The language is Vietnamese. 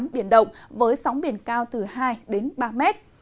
biển động với sóng biển cao từ hai đến ba mét